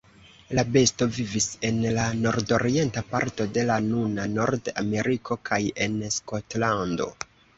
La besto vivis en la nordorienta parto de la nuna Nord-Ameriko kaj en Skotlando.